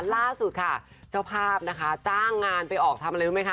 ล่าสุดค่ะเจ้าภาพนะคะจ้างงานไปออกทำอะไรรู้ไหมค